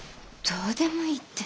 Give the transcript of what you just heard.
どうでもいいって。